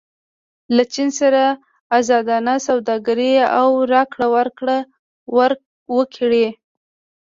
له چین سره ازادانه سوداګري او راکړه ورکړه وکړئ.